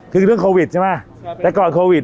คือเรื่องโควิดใช่ไหมแต่ก่อนโควิด